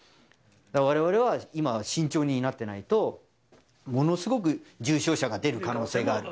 われわれは、今は慎重になってないと、ものすごく重症者が出る可能性がある。